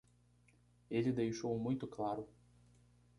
Ele deixou muito claro